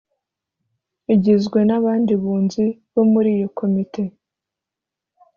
igizwe n abandi bunzi bo muri iyo Komite